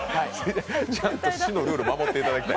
ちゃんと市のルール守っていただきたい。